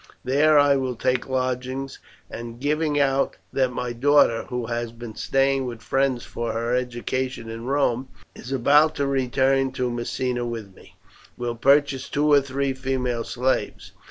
There I will take lodgings, and giving out that my daughter, who has been staying with friends for her education in Rome, is about to return to Messina with me, will purchase two or three female slaves.